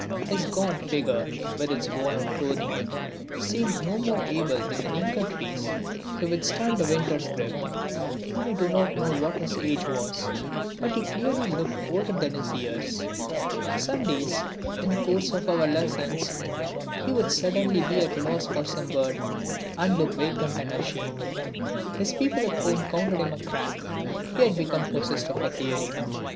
His gaunt figure with its worn out clothing seemed no more able than the naked trees to withstand the winter's grip. I do not know what his age was but he clearly looked older than his years. Some days in the course of our lessons he would suddenly be at a loss for some word and look vacant and ashamed. His people at home counted him a crank. He had become possessed of a theory.